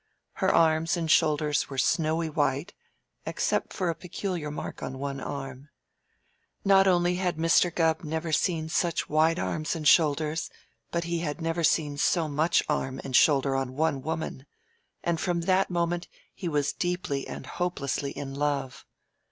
Her arms and shoulders were snowy white (except for a peculiar mark on one arm). Not only had Mr. Gubb never seen such white arms and shoulders, but he had never seen so much arm and shoulder on one woman, and from that moment he was deeply and hopelessly in love.